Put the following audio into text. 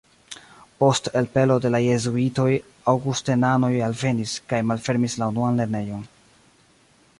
Post elpelo de la jezuitoj aŭgustenanoj alvenis kaj malfermis la unuan lernejon.